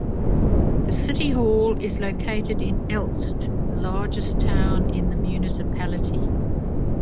The city hall is located in Elst, the largest town in the municipality.